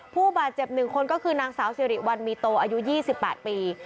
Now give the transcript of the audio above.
ผู้บาดเจ็บ๑คนก็คือนางสาวสิริวัลมีโตอายุ๒๘ปี